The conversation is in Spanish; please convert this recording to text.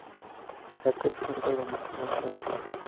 Jacobsen fue albañil por unos años.